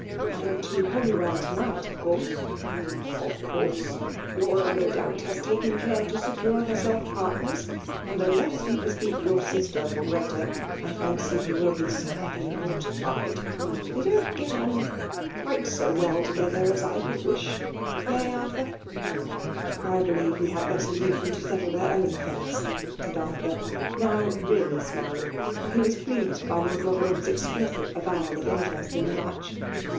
"*" And to Holywell to night, of course ? ''Of course. Laura no doubt has taken care to secure herself partners ; and unless you bespeak your sister for Greta, I fancy he will be sadly mortified. They don*t get on quite so well together as I could wish. — Eh ! Arthur r " I believe we had better leave them to settle their own affairs,*'said Arthur, now really smiling; for he was pleased by Lord Bother ham*s explicit avowal of interest in the matdi.